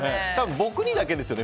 僕にだけですよね。